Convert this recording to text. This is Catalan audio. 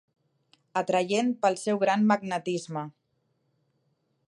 Atraient pel seu gran magnetisme.